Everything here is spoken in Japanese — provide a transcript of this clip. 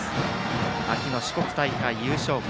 秋の四国大会、優勝校。